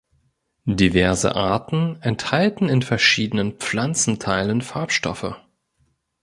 Diverse Arten enthalten in verschiedenen Pflanzenteilen Farbstoffe.